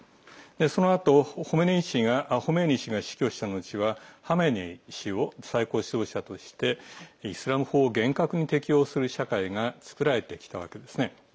そのあとホメイニ師が死去したのちはハメネイ師を最高指導者としイスラム法を厳格に適用する社会が作られてきたわけですね。